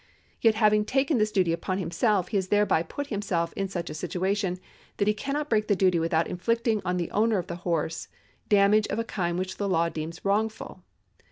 Yet having taken this duty upon himself, he has thereby put himself in such a situation that he cannot break the duty without inflicting on the owner of the horse damage of a kind which the law deems wrongful.